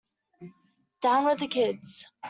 Down with the kids